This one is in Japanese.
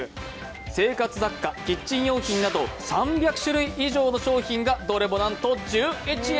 生活雑貨、キッチン用品など３００種類以上の商品がどれもなんと１１円。